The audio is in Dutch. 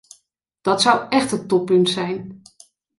Dat zou echt het toppunt zijn.